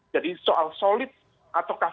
jadi soal solid ataukah